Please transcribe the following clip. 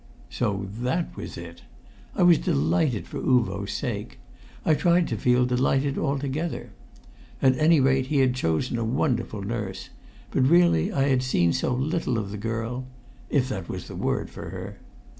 So that was it! I was delighted for Uvo's sake; I tried to feel delighted altogether. At any rate he had chosen a wonderful nurse, but really I had seen so little of the girl ... if that was the word for her.